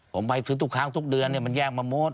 ผมไปซื้อทุกครั้งทุกเดือนมันแย่งมาหมด